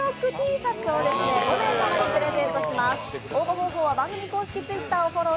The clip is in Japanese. シャツを５名様にプレゼントします。